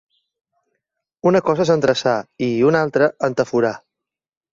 Una cosa és endreçar i, una altra, entaforar.